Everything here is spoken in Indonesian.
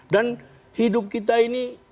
dan hidup kita ini